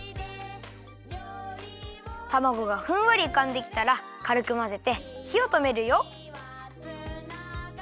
たまごがふんわりうかんできたらかるくまぜてひをとめるよ。